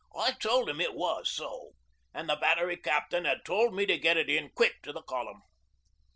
'I told him it was so, an' the Battery captain had told me to get it in quick to the column.